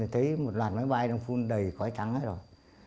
thấy một loạt máy bay đầy khói trắng hết rồi